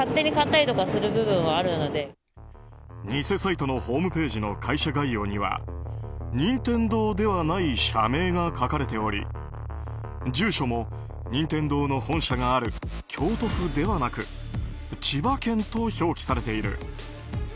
偽サイトのホームページの会社概要には任天堂ではない社名が書かれており住所も任天堂の本社がある京都府ではなく千葉県と表記されている。